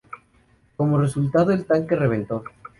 Como resultado, el tanque reventó.